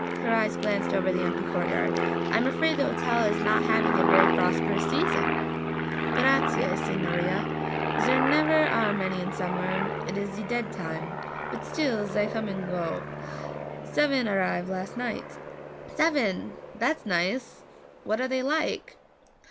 Her eyes glanced over the empty courtyard. 'I am afraid the hotel is not having a very prosperous season.' 'Grazie, signorina. Zer never are many in summer; it is ze dead time, but still zay come and zay go. Seven arrive last night.' 'Seven! That's nice. What are they like?'